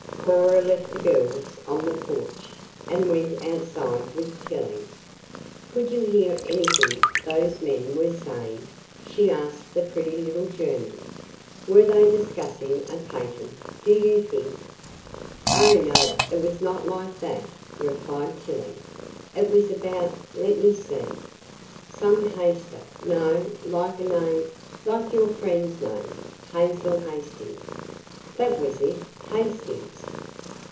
Cora left the girls on the porch, and went outside with Tillie. "Could you hear anything those men were saying?" she asked the pretty little German. "Were they discussing a patent, do you think?" "Oh, no; it was not like that," replied Tillie. "It was about let me see. Some Haster, no, like a name like your friend's name, Hazel Hastings. That was it, Hastings."